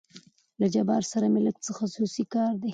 له جبار سره مې لېږ څه خصوصي کار دى.